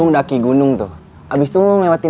undaki gunung tuh abis itu lo melewati